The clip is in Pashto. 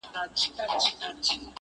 عبدالباري جهاني: رباعیات -